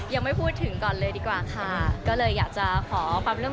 เยอะมั้ยเหรอคะก็พอสมควรค่ะ